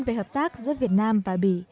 về hợp tác giữa việt nam và bỉ